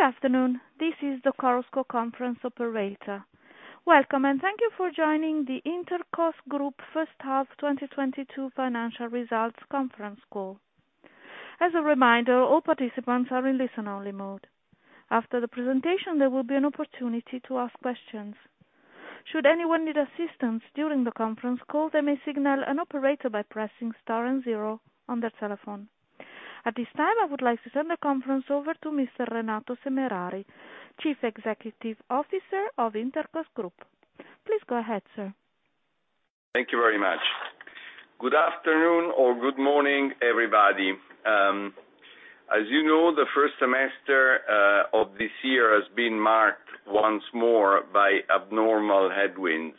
Good afternoon. This is the Chorus Call conference operator. Welcome, and thank you for joining the Intercos Group first half 2022 Financial Results Conference Call. As a reminder, all participants are in listen-only mode. After the presentation, there will be an opportunity to ask questions. Should anyone need assistance during the conference call, they may signal an operator by pressing star and zero on their telephone. At this time, I would like to turn the conference over to Mr. Renato Semerari, Chief Executive Officer of Intercos Group. Please go ahead, sir. Thank you very much. Good afternoon or good morning, everybody. As you know, the first semester of this year has been marked once more by abnormal headwinds.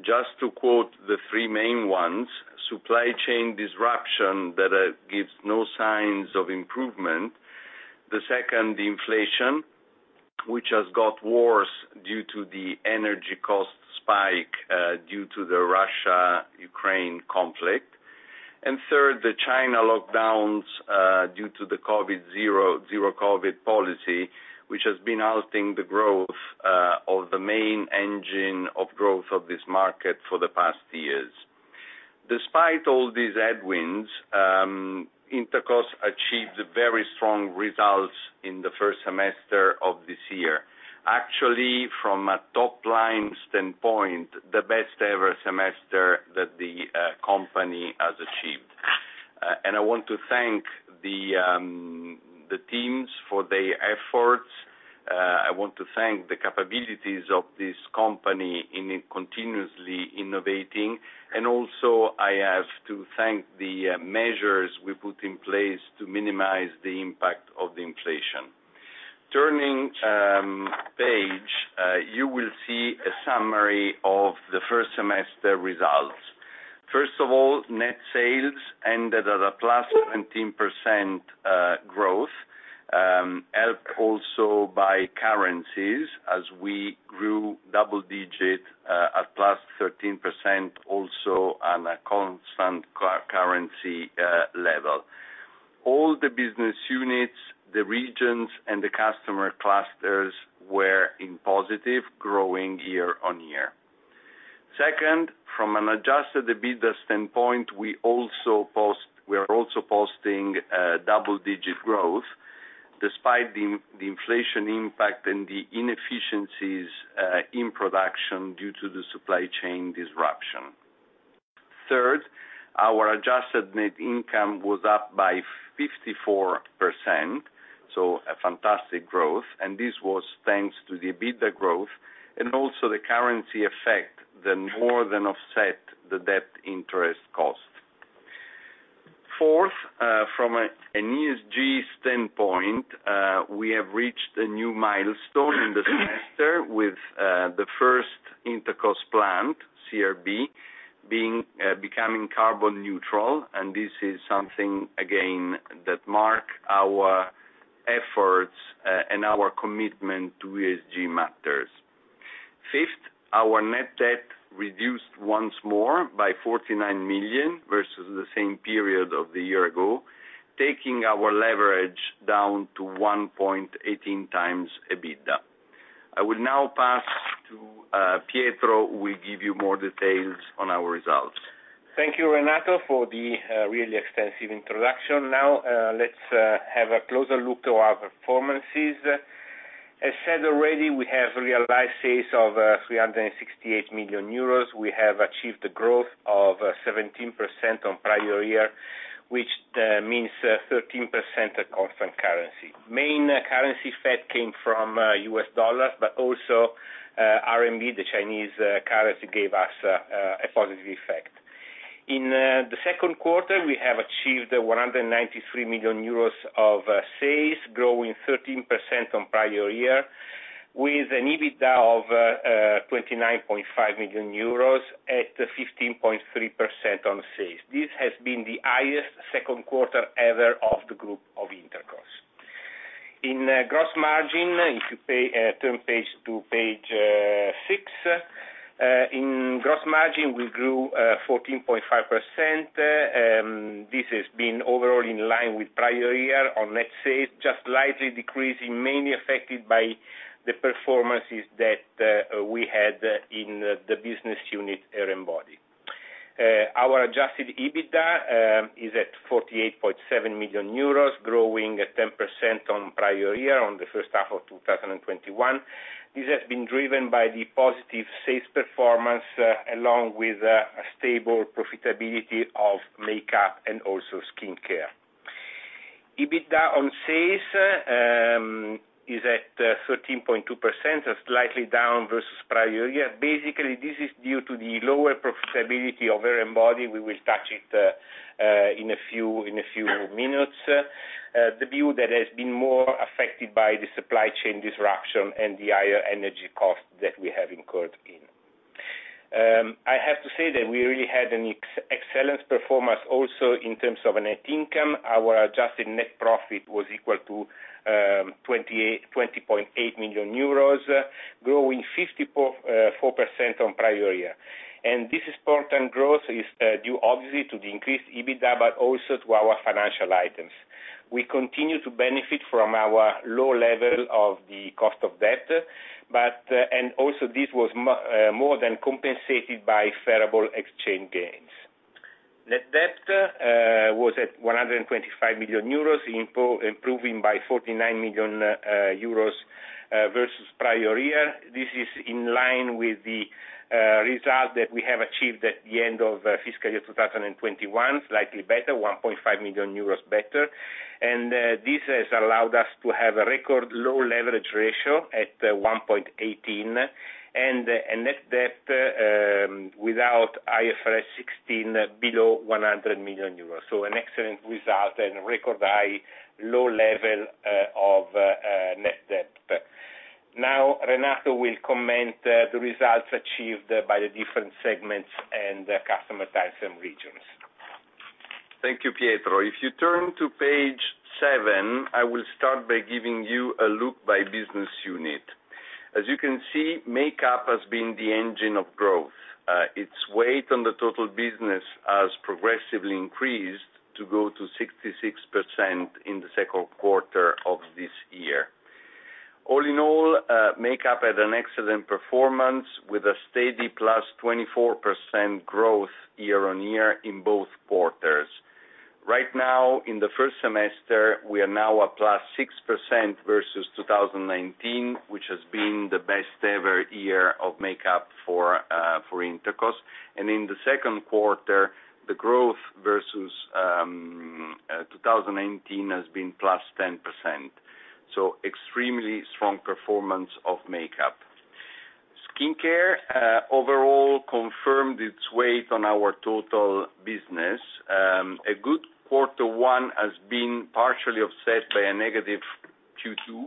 Just to quote the three main ones, supply chain disruption that gives no signs of improvement. The second, inflation, which has got worse due to the energy cost spike due to the Russia-Ukraine conflict. Third, the China lockdowns due to the zero COVID policy, which has been eating into the growth of the main engine of growth of this market for the past years. Despite all these headwinds, Intercos achieved very strong results in the first semester of this year. Actually, from a top-line standpoint, the best-ever semester that the company has achieved. I want to thank the teams for their efforts. I want to thank the capabilities of this company in continuously innovating, and also I have to thank the measures we put in place to minimize the impact of the inflation. Turning page, you will see a summary of the first semester results. First of all, net sales ended at +17% growth, helped also by currencies as we grew double-digit at +13% also on a constant currency level. All the business units, the regions, and the customer clusters were positively growing year-on-year. Second, from an adjusted EBITDA standpoint, we are also posting double-digit growth despite the inflation impact and the inefficiencies in production due to the supply chain disruption. Third, our adjusted net income was up by 54%, so a fantastic growth, and this was thanks to the EBITDA growth and also the currency effect that more than offset the debt interest cost. Fourth, from an ESG standpoint, we have reached a new milestone in the semester with the first Intercos plant, CRB, becoming carbon neutral, and this is something again that mark our efforts and our commitment to ESG matters. Fifth, our net debt reduced once more by 49 million versus the same period of the year ago, taking our leverage down to 1.18x EBITDA. I will now pass to Pietro, who will give you more details on our results. Thank you, Renato, for the really extensive introduction. Now, let's have a closer look to our performances. As said already, we have realized sales of 368 million euros. We have achieved the growth of 17% on prior year, which means 13% at constant currency. Main currency effect came from US dollar, but also RMB, the Chinese currency, gave us a positive effect. In the Q2, we have achieved 193 million euros of sales, growing 13% on prior year with an EBITDA of 29.5 million euros at 15.3% on sales. This has been the highest Q2 ever of the group of Intercos. In gross margin, turn to page six. In gross margin, we grew 14.5%. This has been overall in line with prior year on net sales, just slightly decreasing, mainly affected by the performances that we had in the business unit Hair & Body. Our adjusted EBITDA is at 48.7 million euros, growing at 10% on prior year on the first half of 2021. This has been driven by the positive sales performance along with a stable profitability of makeup and also skincare. EBITDA on sales is at 13.2%, slightly down versus prior year. Basically, this is due to the lower profitability of Hair & Body. We will touch it in a few minutes. The view that has been more affected by the supply chain disruption and the higher energy costs that we have incurred in. I have to say that we really had an excellent performance also in terms of net income. Our adjusted net profit was equal to 20.8 million euros, growing 54.4% on prior year. This important growth is due obviously to the increased EBITDA, but also to our financial items. We continue to benefit from our low level of the cost of debt, but also this was more than compensated by favorable exchange gains. Net debt was at 125 million euros, improving by 49 million euros versus prior year. This is in line with the result that we have achieved at the end of fiscal year 2021, slightly better, 1.5 million euros better. This has allowed us to have a record low leverage ratio at 1.18, and a net debt without IFRS 16 below 100 million euros. An excellent result and record high low level of net debt. Now, Renato will comment the results achieved by the different segments and the customer types and regions. Thank you, Pietro. If you turn to page seven, I will start by giving you a look by business unit. As you can see, makeup has been the engine of growth. Its weight on the total business has progressively increased to go to 66% in the Q2 of this year. All in all, makeup had an excellent performance with a steady +24% growth year-on-year in both quarters. Right now, in the first semester, we are now up +6% versus 2019, which has been the best ever year of makeup for Intercos. In the Q2, the growth versus 2019 has been +10%. Extremely strong performance of makeup. Skincare overall confirmed its weight on our total business. A good quarter one has been partially offset by a negative Q2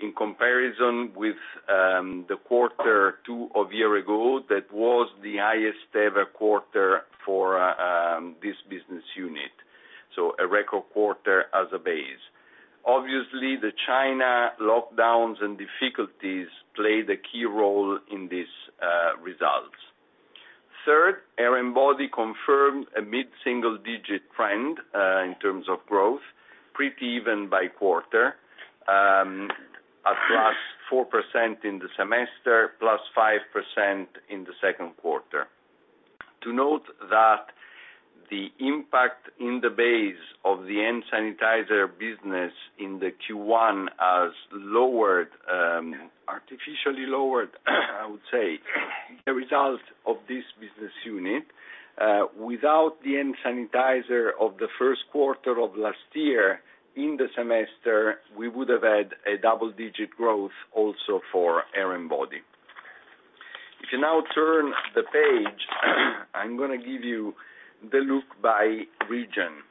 in comparison with the quarter two of year ago that was the highest ever quarter for this business unit. A record quarter as a base. Obviously, the China lockdowns and difficulties played a key role in these results. Third, Hair & Body confirmed a mid-single digit trend in terms of growth, pretty even by quarter, +4% in the semester, +5% in the Q2. To note that the impact in the base of the hand sanitizer business in the Q1 has artificially lowered, I would say, the results of this business unit. Without the hand sanitizer of the Q1 of last year, in the semester, we would have had a double-digit growth also for Hair & Body. If you now turn the page, I'm gonna give you the look by region.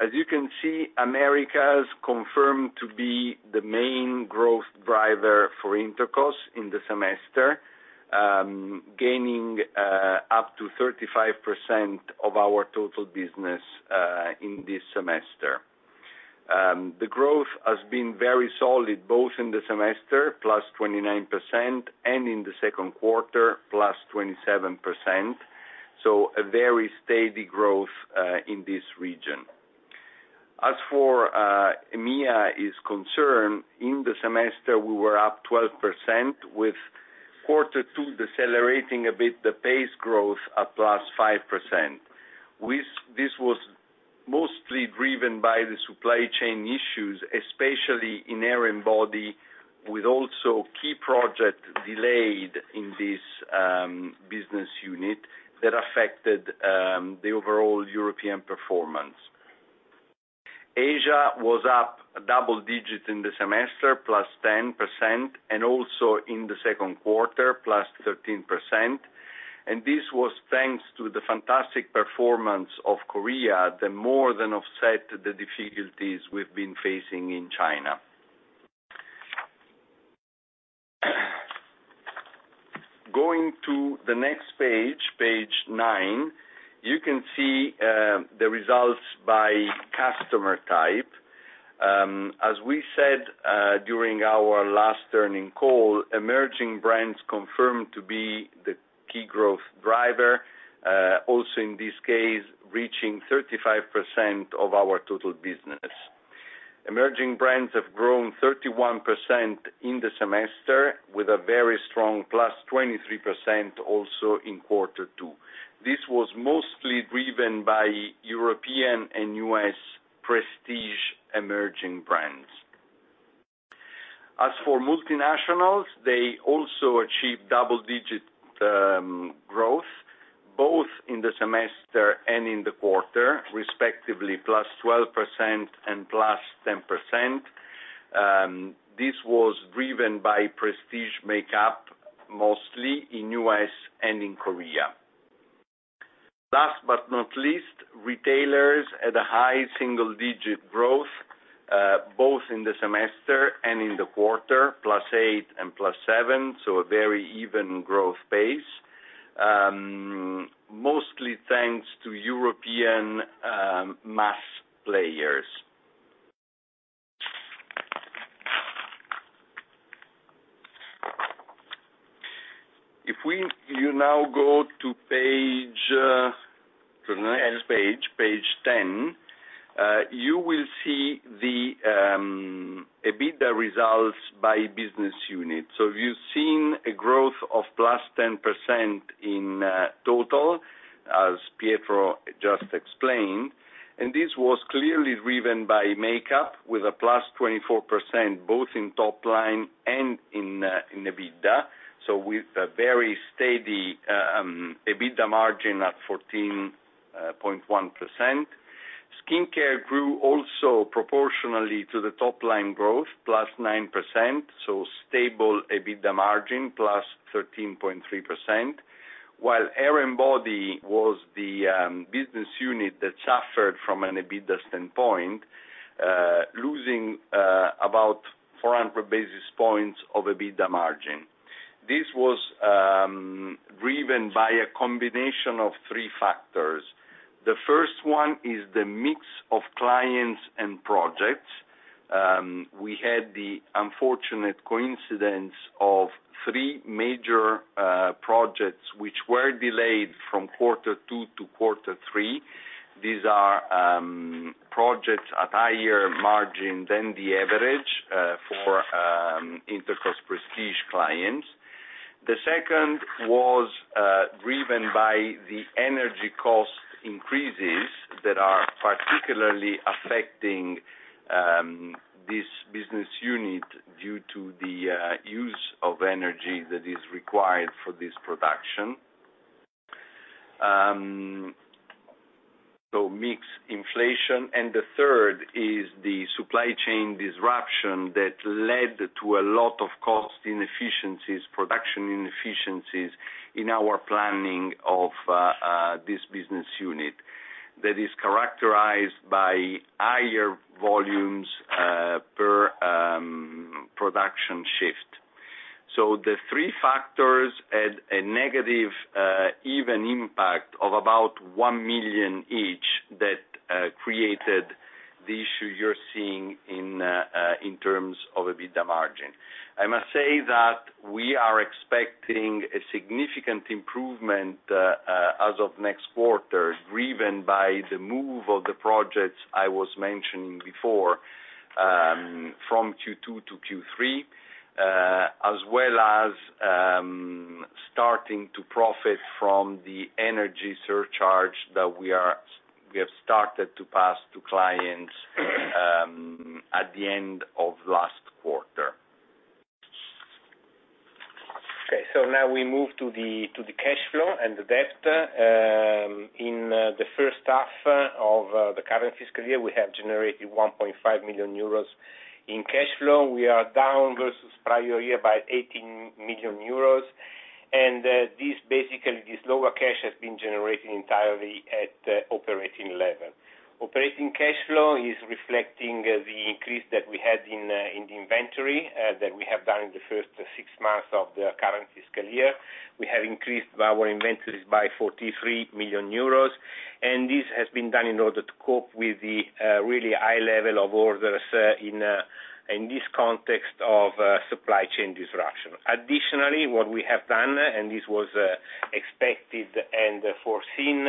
As you can see, Americas confirmed to be the main growth driver for Intercos in the semester, gaining up to 35% of our total business in this semester. The growth has been very solid, both in the semester, +29%, and in the Q2, +27%. A very steady growth in this region. As for EMEA is concerned, in the semester, we were up 12%, with quarter two decelerating a bit the pace growth at +5%. This was mostly driven by the supply chain issues, especially in Hair & Body, with also key project delayed in this business unit that affected the overall European performance. Asia was up double-digit in the semester, +10%, and also in the Q2, +13%. This was thanks to the fantastic performance of Korea that more than offset the difficulties we've been facing in China. Going to the next page 9, you can see the results by customer type. As we said during our last earnings call, emerging brands confirmed to be the key growth driver also in this case, reaching 35% of our total business. Emerging brands have grown 31% in the semester with a very strong +23% also in quarter two. This was mostly driven by European and U.S. prestige emerging brands. As for multinationals, they also achieved double-digit growth, both in the semester and in the quarter, respectively, +12% and +10%. This was driven by prestige makeup, mostly in U.S. and in Korea. Last but not least, retailers at a high single digit growth, both in the semester and in the quarter, +8% and +7%, so a very even growth pace, mostly thanks to European, mass players. If you now go to the next page 10, you will see the EBITDA results by business unit. You've seen a growth of +10% in total, as Pietro just explained, and this was clearly driven by makeup with a +24%, both in top line and in EBITDA, so with a very steady EBITDA margin at 14.1%. Skincare grew also proportionally to the top line growth, +9%, so stable EBITDA margin, +13.3%, while Hair & Body was the business unit that suffered from an EBITDA standpoint, losing about 400 basis points of EBITDA margin. This was driven by a combination of three factors. The first one is the mix of clients and projects. We had the unfortunate coincidence of three major projects which were delayed from quarter two to quarter three. These are projects at higher margin than the average for Intercos prestige clients. The second was driven by the energy cost increases that are particularly affecting this business unit due to the use of energy that is required for this production. Mix inflation. The third is the supply chain disruption that led to a lot of cost inefficiencies, production inefficiencies in our planning of this business unit that is characterized by higher volumes per production shift. The three factors had a negative even impact of about 1 million each that created the issue you're seeing in terms of EBITDA margin. I must say that we are expecting a significant improvement as of next quarter, driven by the move of the projects I was mentioning before from Q2 to Q3 as well as starting to profit from the energy surcharge that we have started to pass to clients at the end of last quarter. Okay, now we move to the cash flow and the debt. In the first half of the current fiscal year, we have generated 1.5 million euros in cash flow. We are down versus prior year by 18 million euros, and this basically lower cash has been generated entirely at operating level. Operating cash flow is reflecting the increase that we had in the inventory that we have done in the first six months of the current fiscal year. We have increased our inventories by 43 million euros, and this has been done in order to cope with the really high level of orders in this context of supply chain disruption. Additionally, what we have done, and this was expected and foreseen,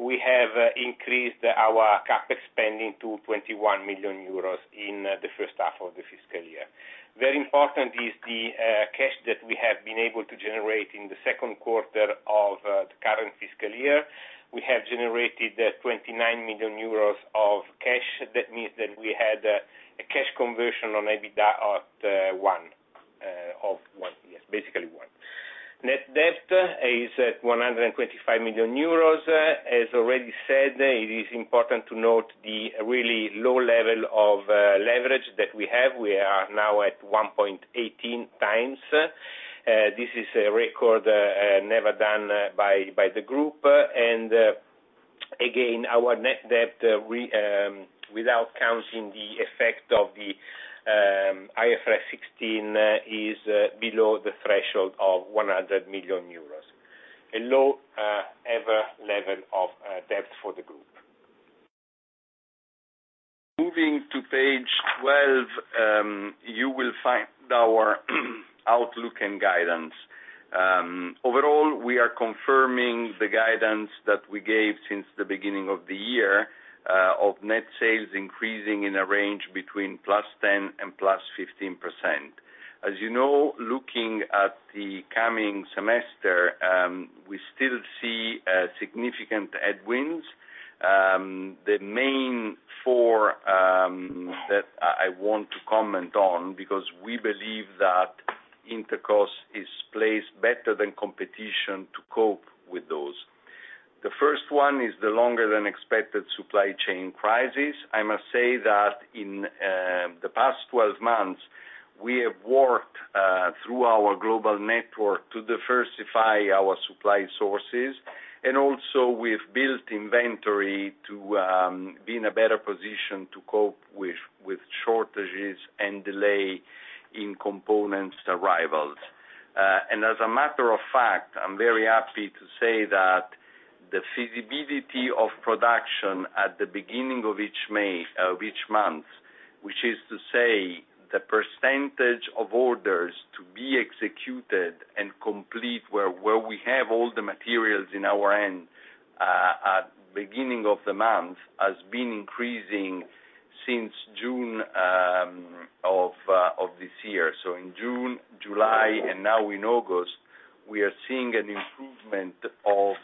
we have increased our CapEx spending to 21 million euros in the first half of the fiscal year. Very important is the cash that we have been able to generate in the Q2 of the current fiscal year. We have generated 29 million euros of cash. That means that we had a cash conversion on EBITDA of one, yes, basically one. Net debt is at 125 million euros. As already said, it is important to note the really low level of leverage that we have. We are now at 1.18 times. This is a record never done by the group. Again, our net debt, without counting the effect of the IFRS 16, is below the threshold of 100 million euros, a low ever level of debt for the group. Moving to page 12, you will find our outlook and guidance. Overall, we are confirming the guidance that we gave since the beginning of the year, of net sales increasing in a range between +10% and +15%. As you know, looking at the coming semester, we still see significant headwinds. The main four that I want to comment on because we believe that Intercos is placed better than competition to cope with those. The first one is the longer than expected supply chain crisis. I must say that in the past 12 months, we have worked through our global network to diversify our supply sources, and also we've built inventory to be in a better position to cope with shortages and delay in components arrivals. As a matter of fact, I'm very happy to say that the feasibility of production at the beginning of each month, which is to say the percentage of orders to be executed and complete where we have all the materials in our hands at the beginning of the month, has been increasing since June of this year. In June, July, and now in August, we are seeing an improvement of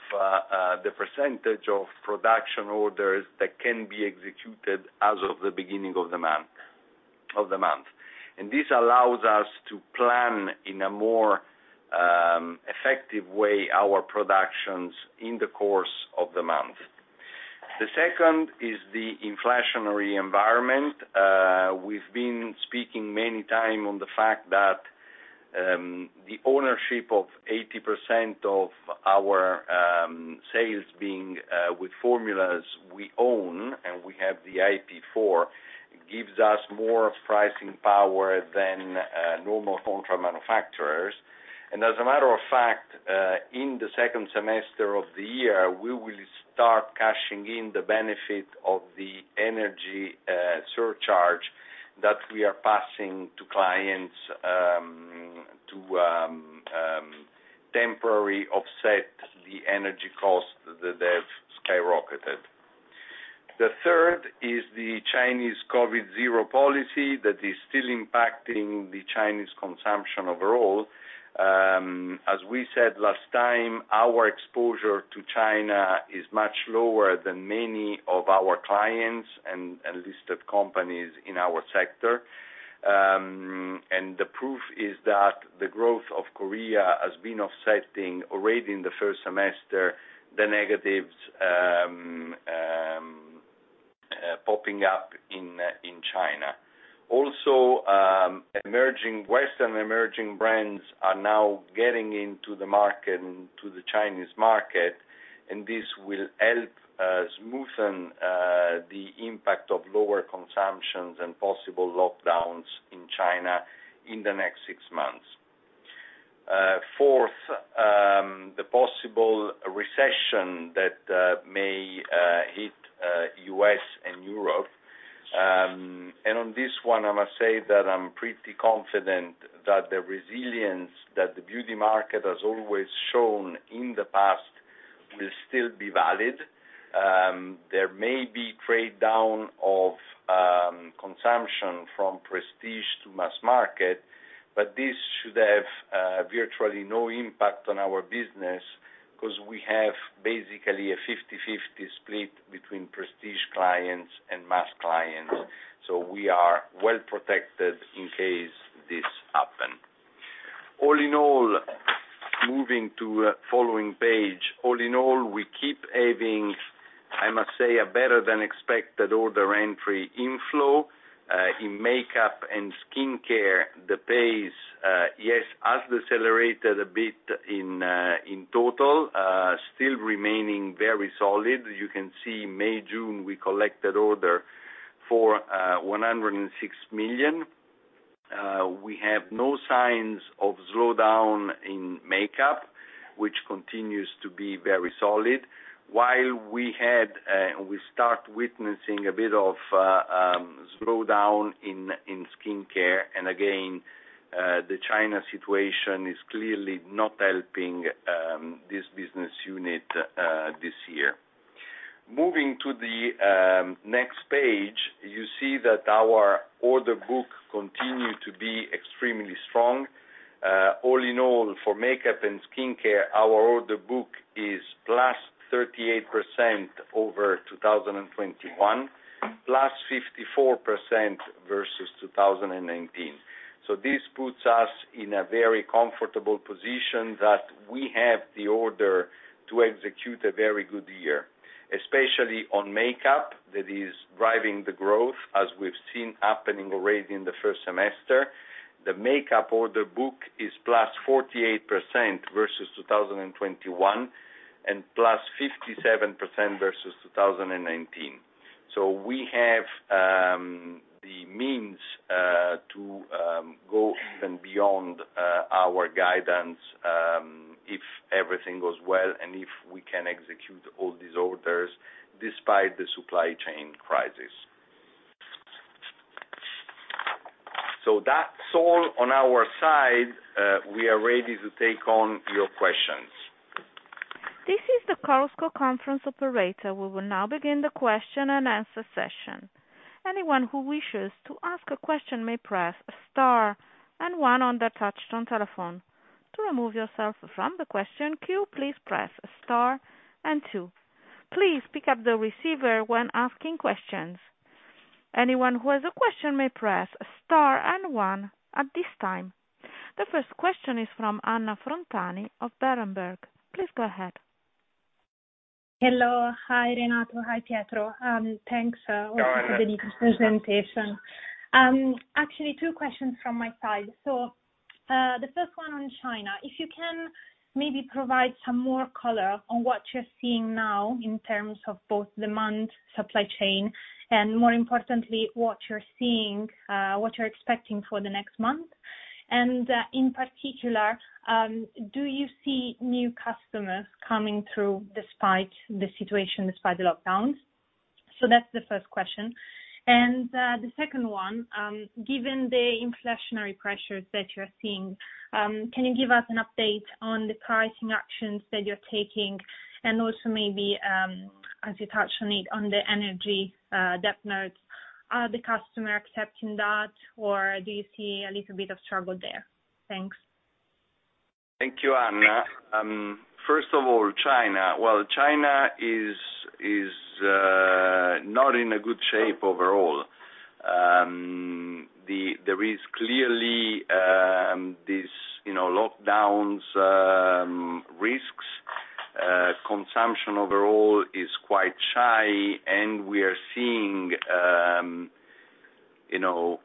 the percentage of production orders that can be executed as of the beginning of the month. This allows us to plan in a more effective way our productions in the course of the month. The second is the inflationary environment. We've been speaking many times on the fact that the ownership of 80% of our sales being with formulas we own, and we have the IP for, gives us more pricing power than normal contract manufacturers. As a matter of fact, in the second semester of the year, we will start cashing in the benefit of the energy surcharge that we are passing to clients to temporary offset the energy costs that have skyrocketed. The third is the Chinese COVID zero policy that is still impacting the Chinese consumption overall. As we said last time, our exposure to China is much lower than many of our clients and listed companies in our sector. The proof is that the growth of Korea has been offsetting already in the first semester the negatives popping up in China. Also, Western emerging brands are now getting into the market, into the Chinese market, and this will help smoothen the impact of lower consumptions and possible lockdowns in China in the next six months. Fourth, the possible recession that may hit U.S. and Europe. On this one, I must say that I'm pretty confident that the resilience that the beauty market has always shown in the past will still be valid. There may be trade-down of consumption from prestige to mass market, but this should have virtually no impact on our business 'cause we have basically a 50/50 split between prestige clients and mass clients. We are well protected in case this happen. All in all, moving to following page. All in all, we keep having, I must say, a better than expected order entry inflow in makeup and skincare. The pace, yes, has decelerated a bit in total, still remaining very solid. You can see May, June, we collected order for 106 million. We have no signs of slowdown in makeup, which continues to be very solid. We start witnessing a bit of slowdown in skincare, and again, the China situation is clearly not helping this business unit this year. Moving to the next page, you see that our order book continue to be extremely strong. All in all, for makeup and skincare, our order book is +38% over 2021, +54% versus 2019. This puts us in a very comfortable position that we have the order to execute a very good year, especially on makeup that is driving the growth, as we've seen happening already in the first semester. The makeup order book is +48% versus 2021 and +57% versus 2019. We have the means to go even beyond our guidance if everything goes well and if we can execute all these orders despite the supply chain crisis. That's all on our side. We are ready to take on your questions. This is the Chorus Call conference operator. We will now begin the question and answer session. Anyone who wishes to ask a question may press star and one on their touch-tone telephone. To remove yourself from the question queue, please press star and two. Please pick up the receiver when asking questions. Anyone who has a question may press star and one at this time. The first question is from Anna Frontani of Berenberg. Please go ahead. Hello. Hi, Renato. Hi, Pietro. Thanks, also for the nice presentation. Actually two questions from my side. The first one on China, if you can maybe provide some more color on what you're seeing now in terms of both demand, supply chain, and more importantly, what you're seeing, what you're expecting for the next month. In particular, do you see new customers coming through despite the situation, despite the lockdowns? That's the first question. The second one, given the inflationary pressures that you're seeing, can you give us an update on the pricing actions that you're taking and also maybe, as you touched on it, on the energy surcharge, are the customers accepting that, or do you see a little bit of struggle there? Thanks. Thank you, Anna. First of all, China. Well, China is not in a good shape overall. There is clearly this, you know, lockdowns, risks. Consumption overall is quite shy, and we are seeing, you know,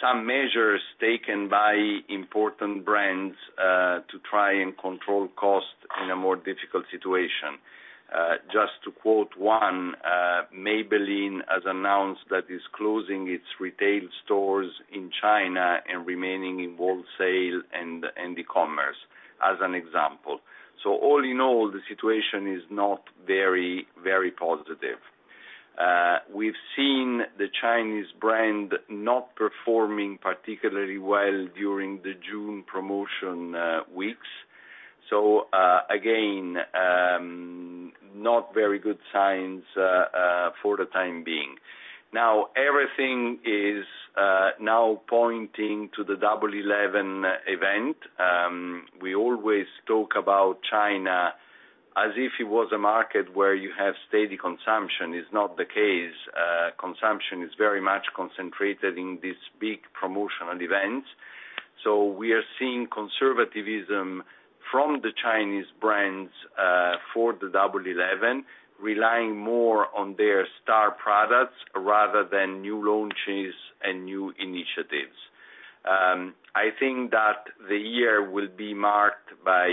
some measures taken by important brands to try and control costs in a more difficult situation. Just to quote one, Maybelline has announced that it's closing its retail stores in China and remaining in wholesale and e-commerce, as an example. All in all, the situation is not very, very positive. We've seen the Chinese brand not performing particularly well during the June promotion weeks. Again, not very good signs for the time being. Now, everything is now pointing to the Double Eleven event. We always talk about China as if it was a market where you have steady consumption. It's not the case. Consumption is very much concentrated in these big promotional events. We are seeing conservatism from the Chinese brands for the Double Eleven, relying more on their star products rather than new launches and new initiatives. I think that the year will be marked by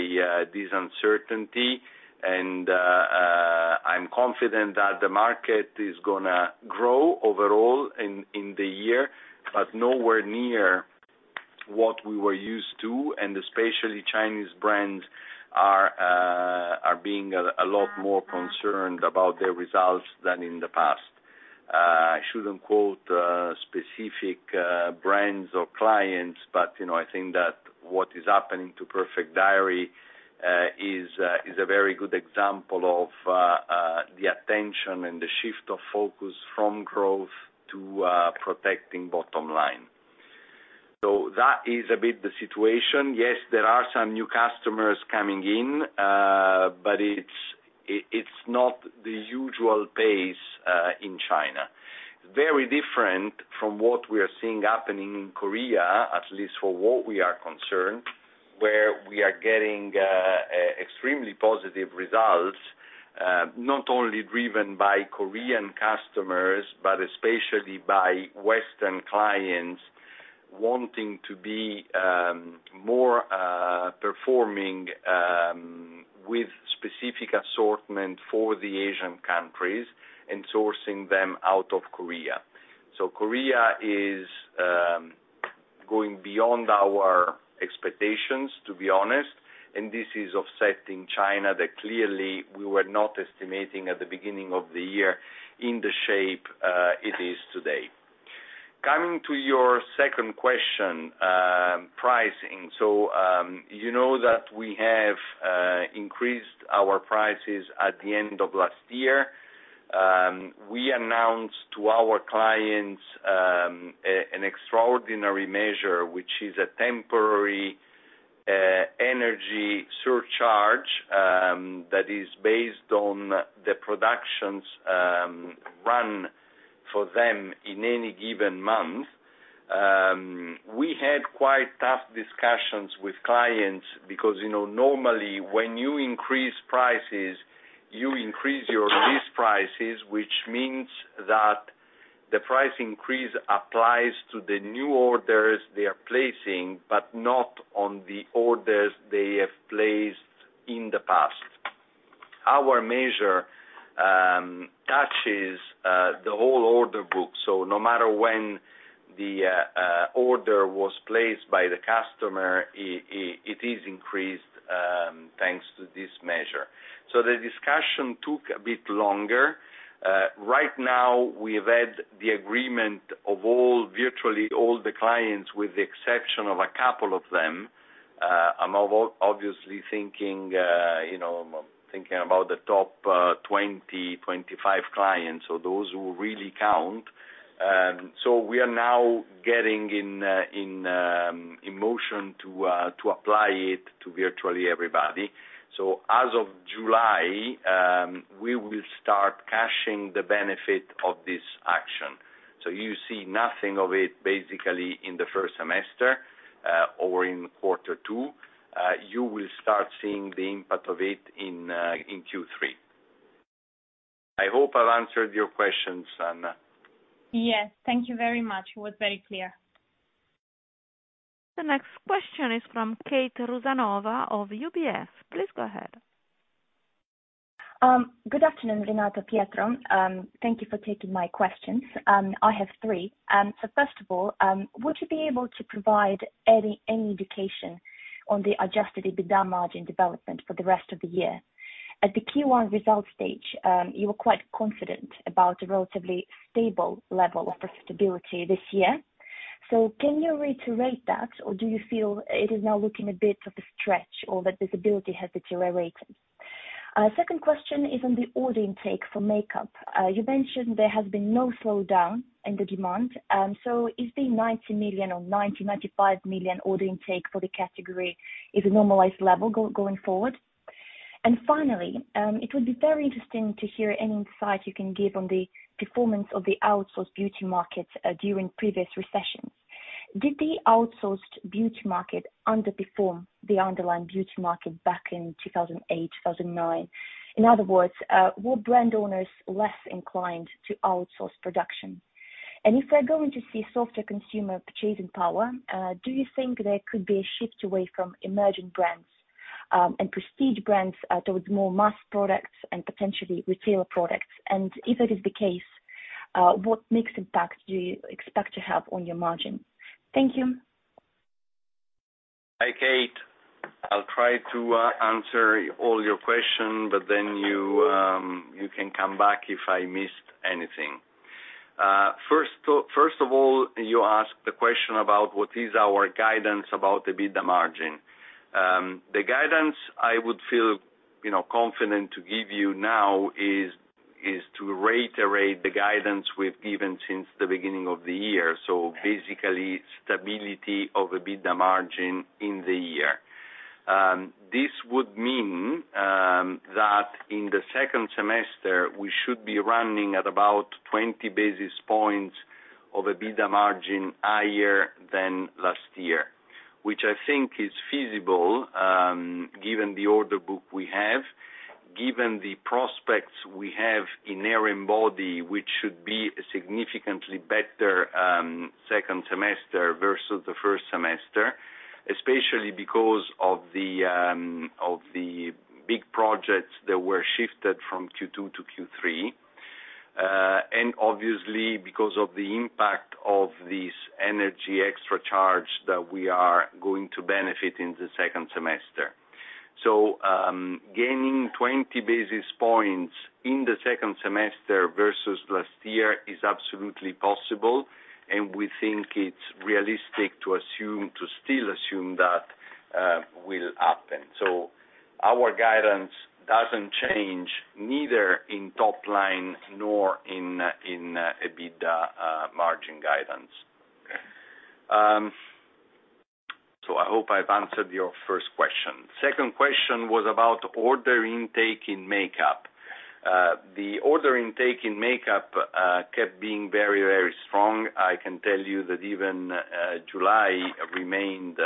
this uncertainty, and I'm confident that the market is gonna grow overall in the year, but nowhere near what we were used to, and especially Chinese brands are being a lot more concerned about their results than in the past. I shouldn't quote specific brands or clients, but you know, I think that what is happening to Perfect Diary is a very good example of the attention and the shift of focus from growth to protecting bottom line. That is a bit the situation. Yes, there are some new customers coming in, but it's not the usual pace in China. Very different from what we are seeing happening in Korea, at least for what we are concerned, where we are getting extremely positive results, not only driven by Korean customers, but especially by Western clients wanting to be more performing with specific assortment for the Asian countries and sourcing them out of Korea. Korea is going beyond our expectations, to be honest, and this is offsetting China that clearly we were not estimating at the beginning of the year in the shape it is today. Coming to your second question, pricing. You know that we have increased our prices at the end of last year. We announced to our clients an extraordinary measure, which is a temporary energy surcharge that is based on the productions run for them in any given month. We had quite tough discussions with clients because, you know, normally when you increase prices, you increase your list prices, which means that the price increase applies to the new orders they are placing, but not on the orders they have placed in the past. Our measure touches the whole order book. No matter when the order was placed by the customer, it is increased, thanks to this measure. The discussion took a bit longer. Right now we've had the agreement of all, virtually all the clients, with the exception of a couple of them. I'm obviously thinking, you know, thinking about the top 20-25 clients, so those who really count. We are now getting into motion to apply it to virtually everybody. As of July, we will start cashing the benefit of this action. You see nothing of it basically in the first semester or in quarter two. You will start seeing the impact of it in Q3. I hope I've answered your questions, Anna. Yes. Thank you very much. It was very clear. The next question is from Kate Rusanova of UBS. Please go ahead. Good afternoon, Renato, Pietro. Thank you for taking my questions. I have three. First of all, would you be able to provide any indication on the adjusted EBITDA margin development for the rest of the year? At the Q1 results stage, you were quite confident about the relatively stable level of profitability this year. Can you reiterate that, or do you feel it is now looking a bit of a stretch or that profitability has deteriorated? Second question is on the order intake for makeup. You mentioned there has been no slowdown in the demand. Is the 90 million or 95 million order intake for the category a normalized level going forward? Finally, it would be very interesting to hear any insight you can give on the performance of the outsourced beauty market during previous recessions. Did the outsourced beauty market underperform the underlying beauty market back in 2008, 2009? In other words, were brand owners less inclined to outsource production? If we're going to see softer consumer purchasing power, do you think there could be a shift away from emerging brands and prestige brands towards more mass products and potentially retailer products? If that is the case, what mix impact do you expect to have on your margin? Thank you. Hi, Kate. I'll try to answer all your question, but then you can come back if I missed anything. First of all, you asked the question about what is our guidance about EBITDA margin. The guidance I would feel, you know, confident to give you now is to reiterate the guidance we've given since the beginning of the year, so basically stability of EBITDA margin in the year. This would mean that in the second semester, we should be running at about 20 basis points of EBITDA margin higher than last year, which I think is feasible, given the order book we have, given the prospects we have in Hair and Body, which should be a significantly better second semester versus the first semester, especially because of the big projects that were shifted from Q2 to Q3, and obviously because of the impact of this energy surcharge that we are going to benefit in the second semester. Gaining 20 basis points in the second semester versus last year is absolutely possible, and we think it's realistic to assume that will happen. Our guidance doesn't change neither in top line nor in EBITDA margin guidance. I hope I've answered your first question. Second question was about order intake in makeup. The order intake in makeup kept being very, very strong. I can tell you that even July remained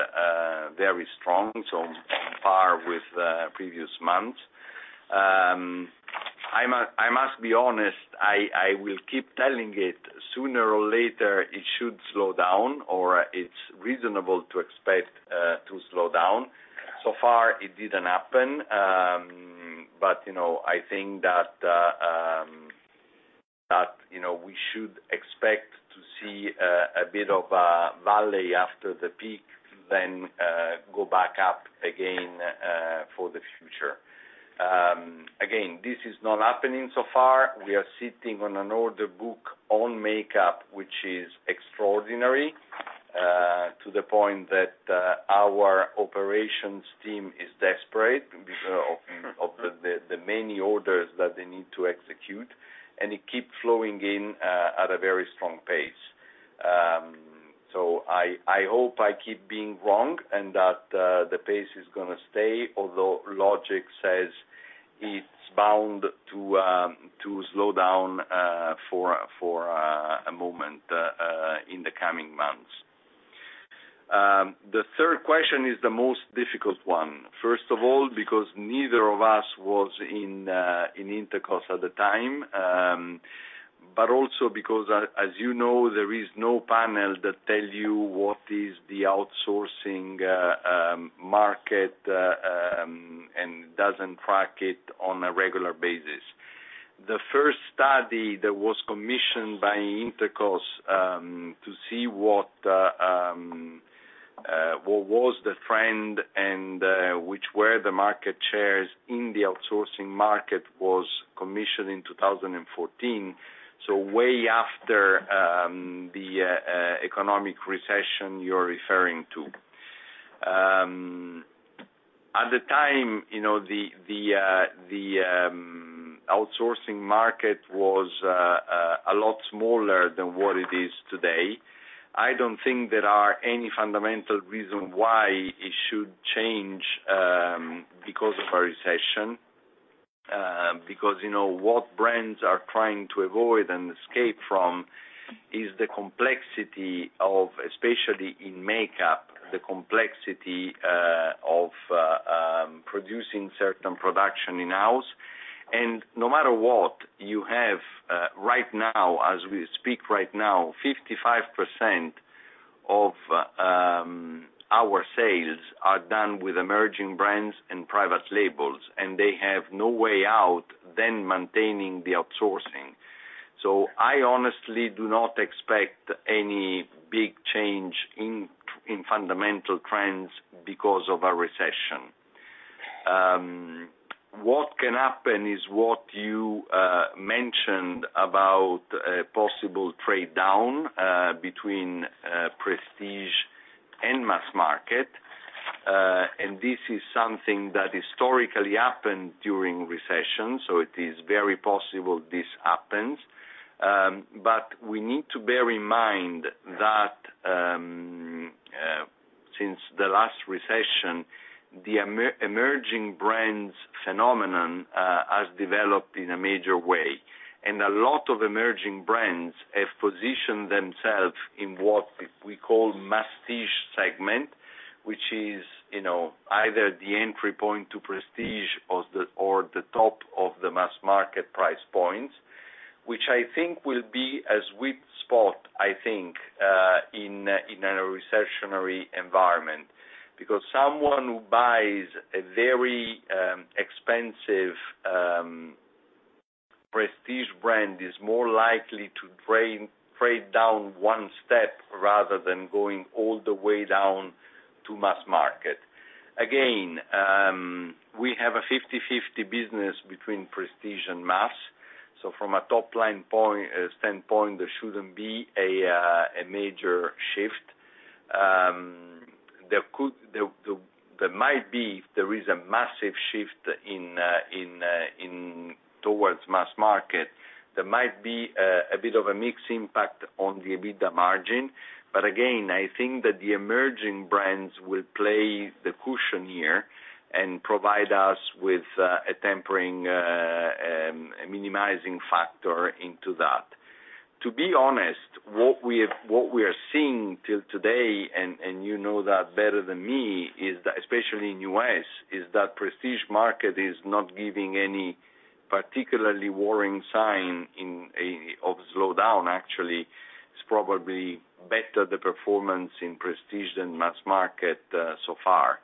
very strong, so on par with previous months. I must be honest, I will keep telling it sooner or later it should slow down or it's reasonable to expect to slow down. So far it didn't happen, but you know, I think that you know, we should expect to see a bit of a valley after the peak, then go back up again for the future. Again, this is not happening so far. We are sitting on an order book on makeup, which is extraordinary, to the point that our operations team is desperate because of the many orders that they need to execute, and it keep flowing in at a very strong pace. I hope I keep being wrong and that the pace is gonna stay, although logic says it's bound to slow down for a moment in the coming months. The third question is the most difficult one, first of all, because neither of us was in Intercos at the time, but also because as you know, there is no panel that tells you what is the outsourcing market and doesn't track it on a regular basis. The first study that was commissioned by Intercos to see what was the trend and which were the market shares in the outsourcing market was commissioned in 2014, so way after the economic recession you're referring to. At the time, you know, the outsourcing market was a lot smaller than what it is today. I don't think there are any fundamental reason why it should change because of a recession, because you know, what brands are trying to avoid and escape from is the complexity of, especially in makeup, the complexity of producing certain production in-house. No matter what, you have right now, as we speak right now, 55% of our sales are done with emerging brands and private labels, and they have no way out other than maintaining the outsourcing. I honestly do not expect any big change in fundamental trends because of a recession. What can happen is what you mentioned about a possible trade down between prestige and mass market. This is something that historically happened during recession, so it is very possible this happens. We need to bear in mind that, since the last recession, the emerging brands phenomenon has developed in a major way, and a lot of emerging brands have positioned themselves in what we call masstige segment, which is, you know, either the entry point to prestige or the top of the mass market price points, which I think will be a sweet spot, I think, in a recessionary environment. Because someone who buys a very expensive prestige brand is more likely to trade down one step rather than going all the way down to mass market. Again, we have a 50/50 business between prestige and mass, so from a top-line point standpoint, there shouldn't be a major shift. There could. There might be if there is a massive shift towards mass market, there might be a bit of a mix impact on the EBITDA margin. Again, I think that the emerging brands will play the cushion here and provide us with a tempering, a minimizing factor into that. To be honest, what we have, what we are seeing till today, and you know that better than me, is that, especially in U.S., is that prestige market is not giving any particularly worrying sign of a slowdown. Actually, it's probably better the performance in prestige than mass market, so far.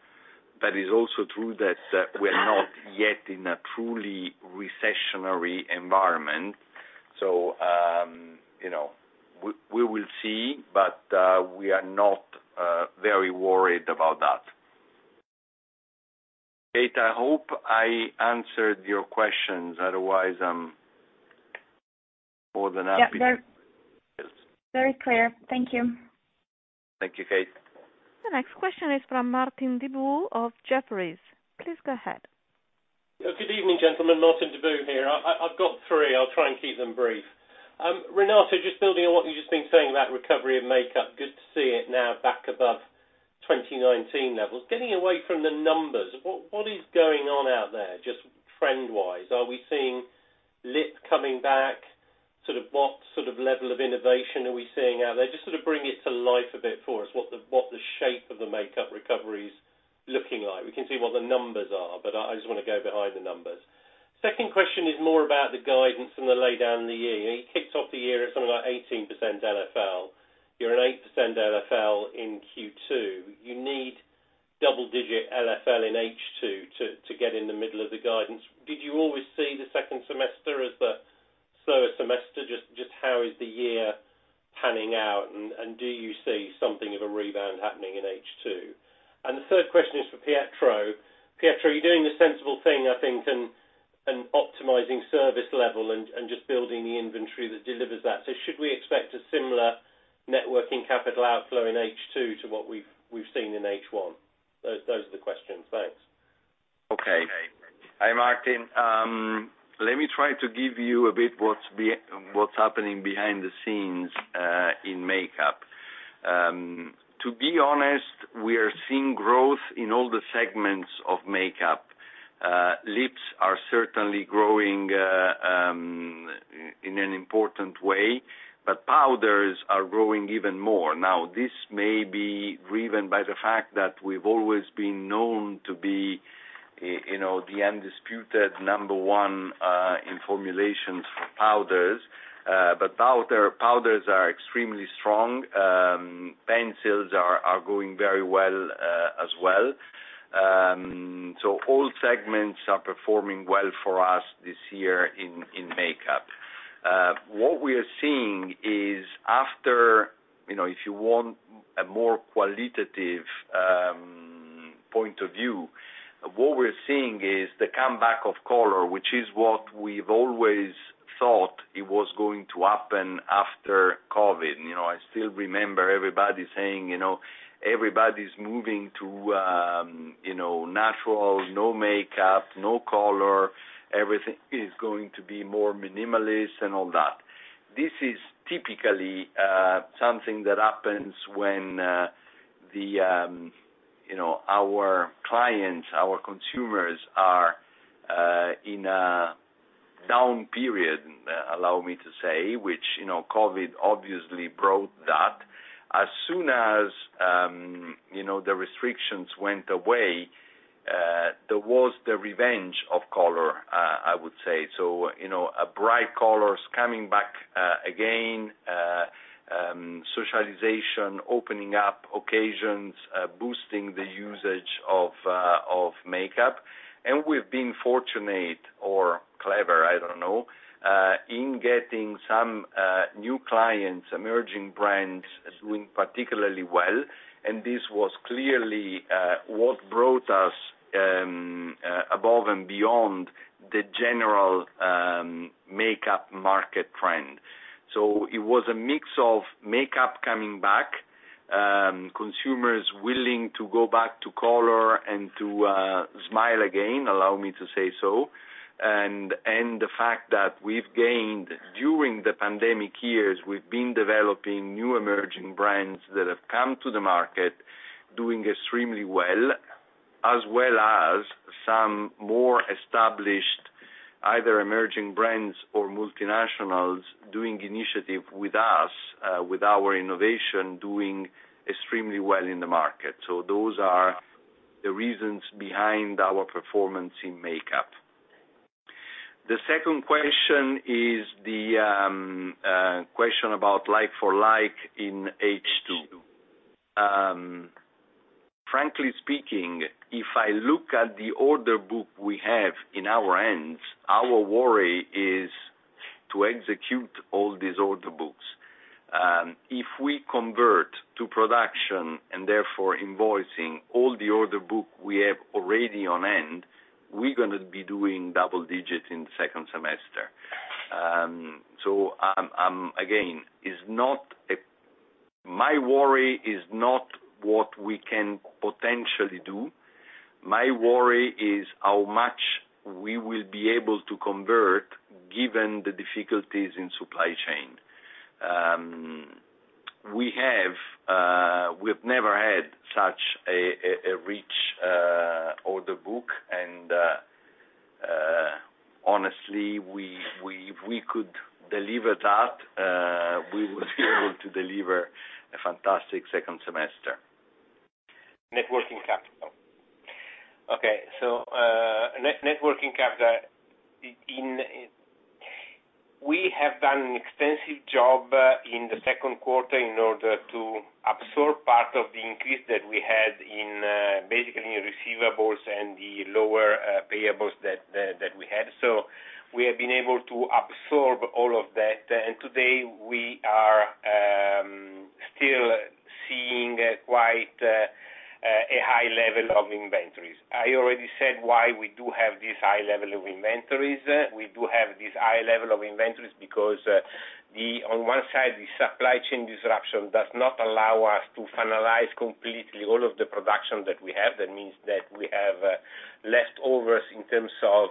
It's also true that we're not yet in a truly recessionary environment. You know, we will see, but we are not very worried about that. Kate, I hope I answered your questions. Otherwise, I'm more than happy to. Yeah. Yes. Very clear. Thank you. Thank you, Kate. The next question is from Martin Deboo of Jefferies. Please go ahead. Good evening, gentlemen. Martin Deboo here. I've got three. I'll try and keep them brief. Renato, just building on what you've just been saying about recovery in makeup, good to see it now back above 2019 levels. Getting away from the numbers, what is going on out there, just trend-wise? Are we seeing lip coming back? Sort of what sort of level of innovation are we seeing out there? Just sort of bring it to life a bit for us, what the shape of the makeup recovery is looking like. We can see what the numbers are, but I just wanna go behind the numbers. Second question is more about the guidance and the laydown of the year. You know, you kicked off the year at something like 18% LFL. You're at 8% LFL in Q2. You need double-digit LFL in H2 to get in the middle of the guidance. Did you always see the second semester as the slower semester? Just how is the year panning out, and do you see something of a rebound happening in H2? The third question is for Pietro. Pietro, are you doing the sensible thing, I think, in optimizing service level and just building the inventory that delivers that? Should we expect a similar net working capital outflow in H2 to what we've seen in H1? Those are the questions. Thanks. Okay. Hi, Martin. Let me try to give you a bit what's happening behind the scenes in makeup. To be honest, we are seeing growth in all the segments of makeup. Lips are certainly growing in an important way, but powders are growing even more. Now, this may be driven by the fact that we've always been known to be, you know, the undisputed number one in formulations for powders. Powders are extremely strong. Pencils are going very well as well. All segments are performing well for us this year in makeup. What we are seeing is after, you know, if you want a more qualitative point of view, what we're seeing is the comeback of color, which is what we've always thought it was going to happen after COVID. You know, I still remember everybody saying, you know, everybody's moving to, you know, natural, no makeup, no color, everything is going to be more minimalist and all that. This is typically something that happens when, you know, our clients, our consumers are in a down period, allow me to say, which, you know, COVID obviously brought that. As soon as, you know, the restrictions went away. There was the revenge of color, I would say. You know, bright colors coming back, again, socialization, opening up occasions, boosting the usage of makeup. We've been fortunate or clever, I don't know, in getting some new clients, emerging brands doing particularly well, and this was clearly what brought us above and beyond the general makeup market trend. It was a mix of makeup coming back, consumers willing to go back to color and to smile again, allow me to say so, and the fact that we've gained. During the pandemic years, we've been developing new emerging brands that have come to the market doing extremely well, as well as some more established, either emerging brands or multinationals doing initiative with us, with our innovation, doing extremely well in the market. Those are the reasons behind our performance in makeup. The second question is the question about like-for-like in H2. Frankly speaking, if I look at the order book we have in our hands, our worry is to execute all these order books. If we convert to production, and therefore invoicing all the order book we have already on hand, we're gonna be doing double digits in the second semester. Again, my worry is not what we can potentially do. My worry is how much we will be able to convert given the difficulties in supply chain. We've never had such a rich order book and, honestly, if we could deliver that, we would be able to deliver a fantastic second semester. Net working capital. We have done an extensive job in the Q2 in order to absorb part of the increase that we had in basically receivables and the lower payables that we had. We have been able to absorb all of that. Today, we are still seeing quite a high level of inventories. I already said why we do have this high level of inventories. We do have this high level of inventories because on one side, the supply chain disruption does not allow us to finalize completely all of the production that we have. That means that we have leftovers in terms of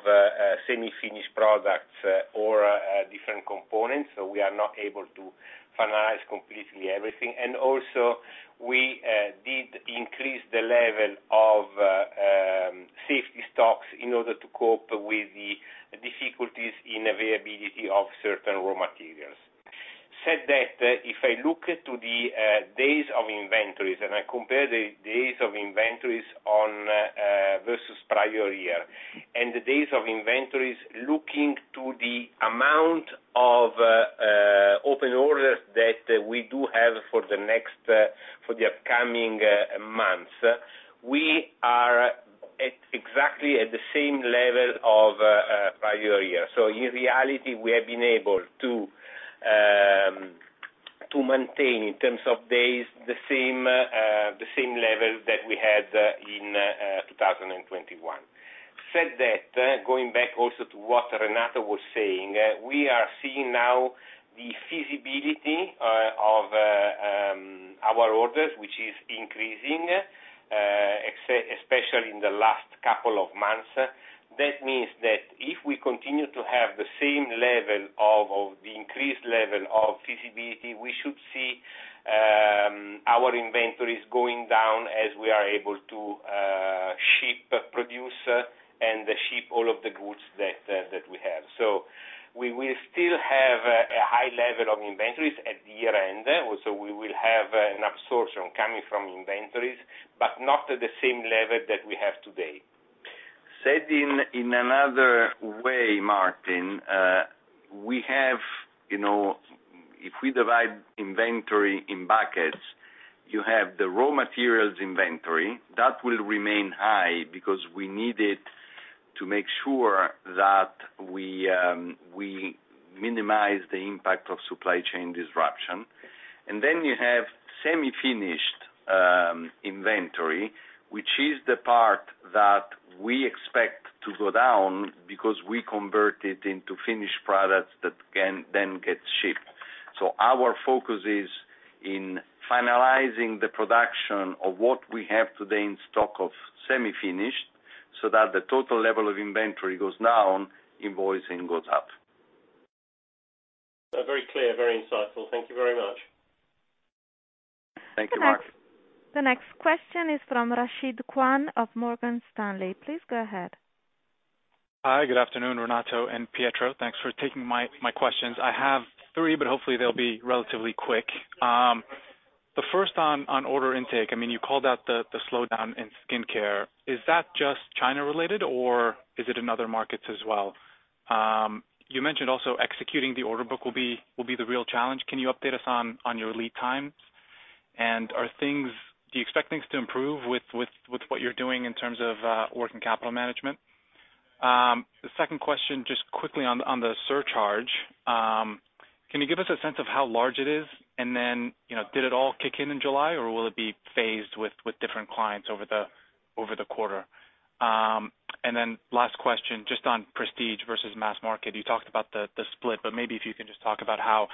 semi-finished products or different components. We are not able to finalize completely everything. We did increase the level of safety stocks in order to cope with the difficulties in availability of certain raw materials. That said, if I look to the days of inventories, and I compare the days of inventories versus prior year, and the days of inventories looking to the amount of open orders that we do have for the upcoming months, we are at exactly the same level as prior year. In reality, we have been able to maintain, in terms of days, the same level that we had in 2021. That said, going back also to what Renato was saying, we are seeing now the visibility of our orders, which is increasing, especially in the last couple of months. That means that if we continue to have the same level of the increased level of visibility, we should see our inventories going down as we are able to ship, produce, and ship all of the goods that we have. We will still have a high level of inventories at the year-end. Also, we will have an absorption coming from inventories, but not at the same level that we have today. In another way, Martin, if we divide inventory in buckets, you have the raw materials inventory. That will remain high because we need it to make sure that we minimize the impact of supply chain disruption. You have semi-finished inventory, which is the part that we expect to go down because we convert it into finished products that can then get shipped. Our focus is in finalizing the production of what we have today in stock of semi-finished, so that the total level of inventory goes down, invoicing goes up. Very clear, very insightful. Thank you very much. Thank you, Martin. The next question is from Tilly Eno of Morgan Stanley. Please go ahead. Hi, good afternoon, Renato and Pietro. Thanks for taking my questions. I have three, but hopefully they'll be relatively quick. The first on order intake, I mean, you called out the slowdown in skincare. Is that just China related, or is it in other markets as well? You mentioned also executing the order book will be the real challenge. Can you update us on your lead times? Do you expect things to improve with what you're doing in terms of working capital management? The second question, just quickly on the surcharge, can you give us a sense of how large it is? Then, you know, did it all kick in in July, or will it be phased with different clients over the quarter? Last question, just on prestige versus mass market. You talked about the split, but maybe if you can just talk about how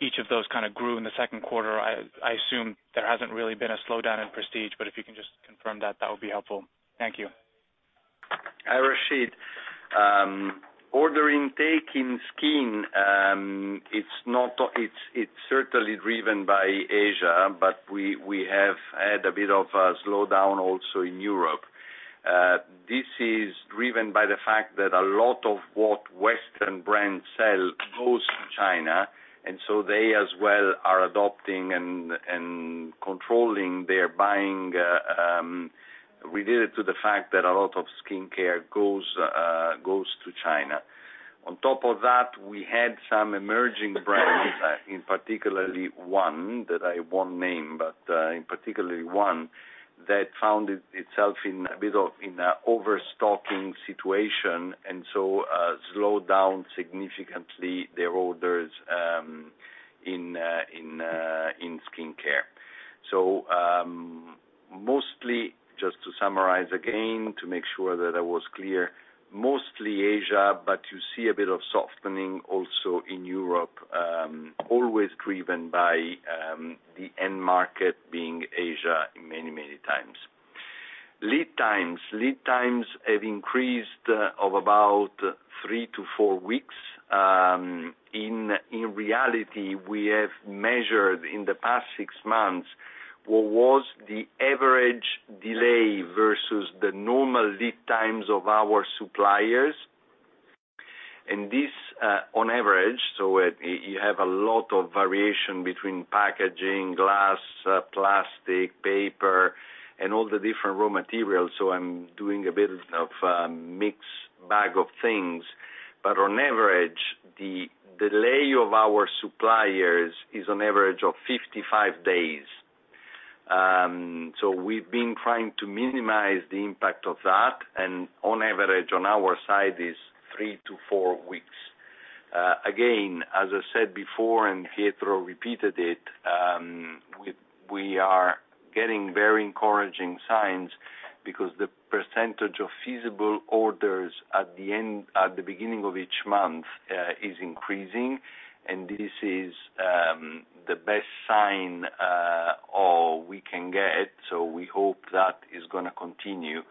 each of those kind of grew in the Q2. I assume there hasn't really been a slowdown in prestige, but if you can just confirm that would be helpful. Thank you. Hi, Tilly Eno. Order intake in skin, it's certainly driven by Asia, but we have had a bit of a slowdown also in Europe. This is driven by the fact that a lot of what Western brands sell goes to China, and so they as well are adopting and controlling their buying, related to the fact that a lot of skincare goes to China. On top of that, we had some emerging brands, in particular one that I won't name, but one that found itself in a bit of an overstocking situation, and so slowed down significantly their orders in skincare. Mostly, just to summarize again to make sure that I was clear, mostly Asia, but you see a bit of softening also in Europe, always driven by the end market being Asia many, many times. Lead times have increased of about 3-4 weeks. In reality, we have measured in the past 6 months what was the average delay versus the normal lead times of our suppliers. This, on average, you have a lot of variation between packaging, glass, plastic, paper, and all the different raw materials, so I'm doing a bit of mixed bag of things. On average, the delay of our suppliers is an average of 55 days. We've been trying to minimize the impact of that, and on average on our side is 3-4 weeks. Again, as I said before, and Pietro repeated it, we are getting very encouraging signs because the percentage of feasible orders at the beginning of each month is increasing, and this is the best sign all we can get, so we hope that is gonna continue.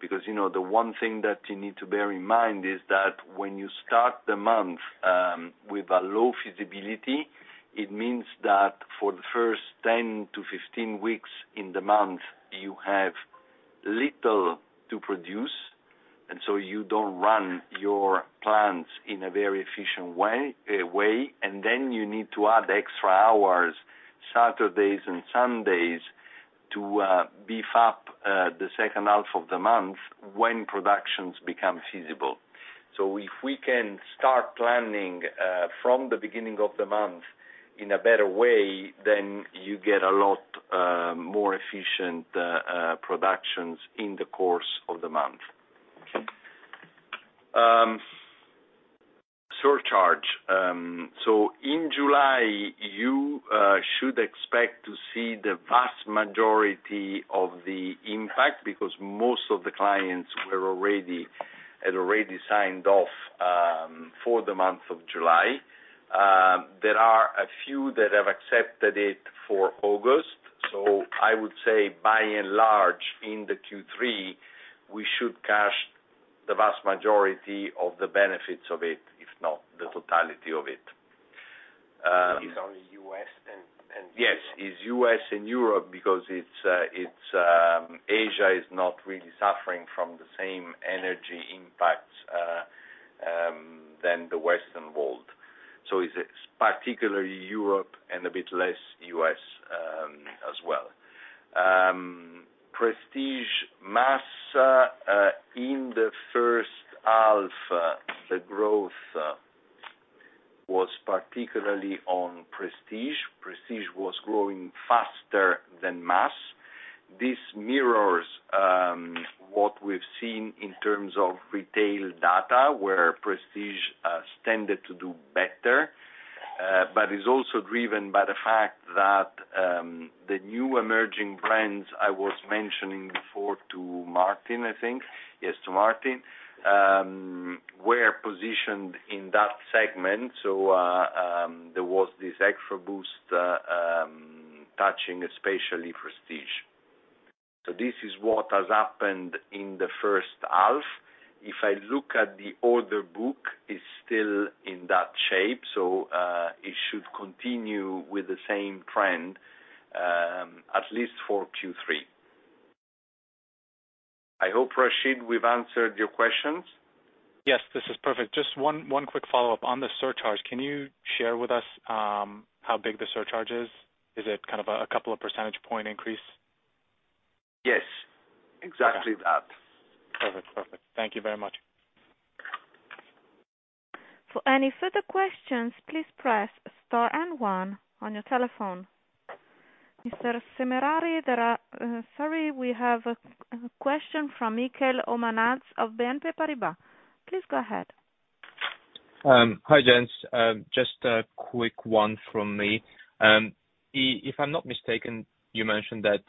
Because, you know, the one thing that you need to bear in mind is that when you start the month with a low feasibility, it means that for the first 10-15 weeks in the month, you have little to produce, and so you don't run your plants in a very efficient way. Then you need to add extra hours, Saturdays and Sundays, to beef up the second half of the month when productions become feasible. If we can start planning from the beginning of the month in a better way, then you get a lot more efficient productions in the course of the month. Surcharge. In July, you should expect to see the vast majority of the impact because most of the clients had already signed off for the month of July. There are a few that have accepted it for August. I would say by and large, in the Q3, we should cash the vast majority of the benefits of it, if not the totality of it. It's only U.S. and Europe. Yes, it's U.S. and Europe because Asia is not really suffering from the same energy impacts as the Western world. It's particularly Europe and a bit less U.S. as well. Prestige, mass, in the first half, the growth was particularly on prestige. Prestige was growing faster than mass. This mirrors what we've seen in terms of retail data, where prestige tended to do better, but is also driven by the fact that the new emerging brands I was mentioning before to Martin were positioned in that segment. There was this extra boost touching especially prestige. This is what has happened in the first half. If I look at the order book, it's still in that shape, so, it should continue with the same trend. At least for Q3. I hope, Tilly, we've answered your questions. Yes, this is perfect. Just one quick follow-up. On the surcharge, can you share with us how big the surcharge is? Is it kind of a couple of percentage point increase? Yes. Okay. Exactly that. Perfect. Thank you very much. For any further questions, please press Star and One on your telephone. Mr. Semerari, sorry, we have a question from Mikheil Omanadze of BNP Paribas. Please go ahead. Hi, gents. Just a quick one from me. If I'm not mistaken, you mentioned that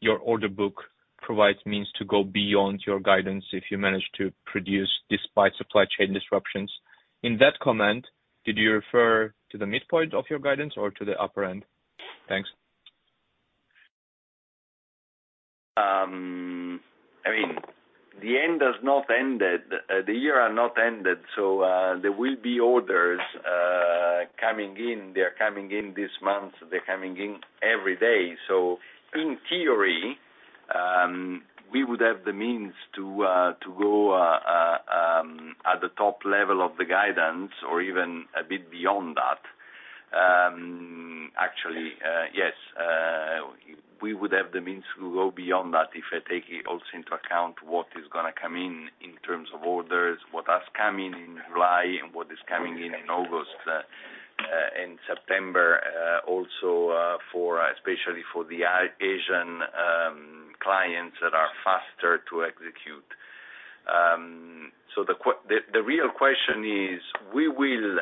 your order book provides means to go beyond your guidance if you manage to produce despite supply chain disruptions. In that comment, did you refer to the midpoint of your guidance or to the upper end? Thanks. I mean, the end has not ended. The year are not ended, so there will be orders coming in. They're coming in this month. They're coming in every day. In theory, we would have the means to go at the top level of the guidance or even a bit beyond that. Actually, yes, we would have the means to go beyond that if I take it also into account what is gonna come in in terms of orders, what has come in in July and what is coming in in August, in September, also, for especially for the Asian clients that are faster to execute. The que. The real question is we will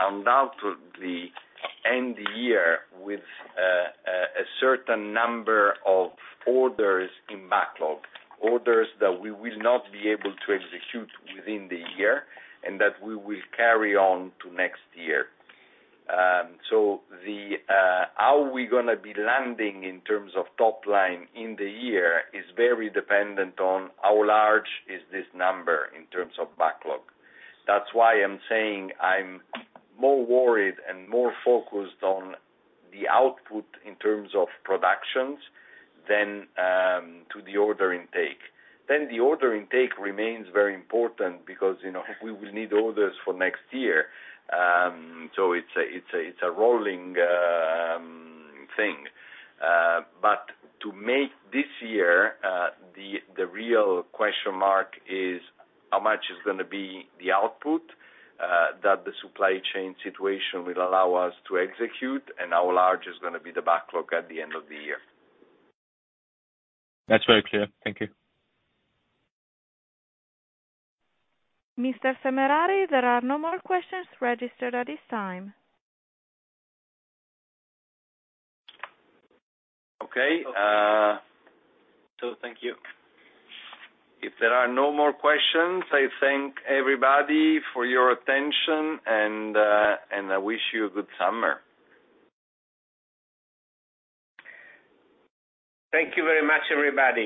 undoubtedly end the year with a certain number of orders in backlog, orders that we will not be able to execute within the year and that we will carry on to next year. How we're gonna be landing in terms of top line in the year is very dependent on how large is this number in terms of backlog. That's why I'm saying I'm more worried and more focused on the output in terms of productions than to the order intake. The order intake remains very important because, you know, we will need orders for next year. It's a rolling thing. To make this year, the real question mark is how much is gonna be the output that the supply chain situation will allow us to execute and how large is gonna be the backlog at the end of the year. That's very clear. Thank you. Mr. Semerari, there are no more questions registered at this time. Okay. Thank you. If there are no more questions, I thank everybody for your attention and I wish you a good summer. Thank you very much, everybody.